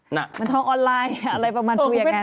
มันทองออนไลน์อะไรประมาณตัวอย่างนั้น